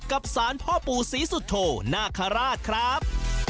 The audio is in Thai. กับสารพ่อปู่ศรีสุโธนาคาราชครับ